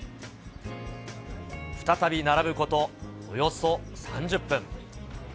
再び並ぶことおよそ３０分。